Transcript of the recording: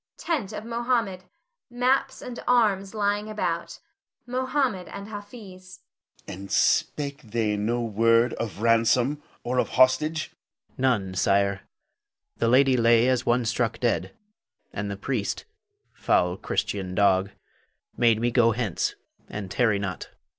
[Tent of Mohammed; maps and arms lying about. Mohammed and Hafiz.] Moh'd. And spake they no word of ransom or of hostage? Hafiz. None, sire. The lady lay as one struck dead; and the priest, foul Christian dog, bade me go hence, and tarry not.